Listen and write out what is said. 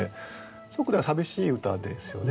すごく寂しい歌ですよね